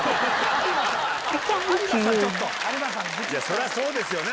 そりゃそうですよね